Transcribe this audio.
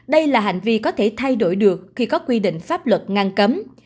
đây là hành vi có thể thay đổi được khi có quy định pháp luật ngang cấm